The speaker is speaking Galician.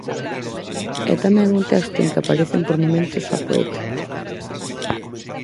É tamén un texto en que aparecen por momentos a poeta.